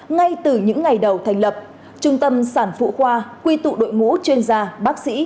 ngay từ những ngày đầu thành lập trung tâm sản phụ khoa quy tụ đội ngũ chuyên gia bác sĩ